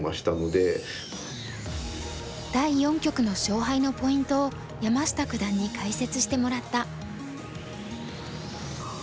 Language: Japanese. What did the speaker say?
第四局の勝敗のポイントを山下九段に解説してもらった。